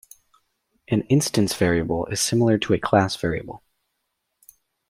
An instance variable is similar to a class variable.